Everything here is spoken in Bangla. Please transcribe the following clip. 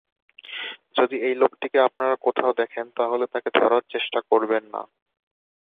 যদি এই লোকটিকে আপনারা কোথাও দেখেন তাহলে তাকে ধরার চেষ্টা করবেন না।